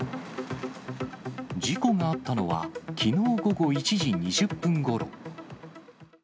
事故があったのは、きのう午後１時２０分ごろ。